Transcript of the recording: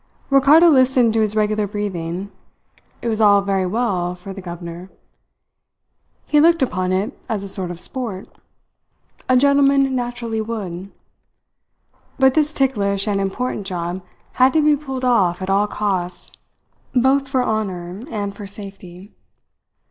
Ricardo listened to his regular breathing. It was all very well for the governor. He looked upon it as a sort of sport. A gentleman naturally would. But this ticklish and important job had to be pulled off at all costs, both for honour and for safety.